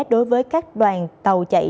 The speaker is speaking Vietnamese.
đối với các đoàn tàu chạy